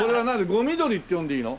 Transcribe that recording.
「ごみどり」って読んでいいの？